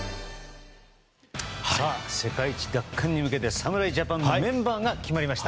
世界一奪還へ向けて侍ジャパンのメンバーが決まりました。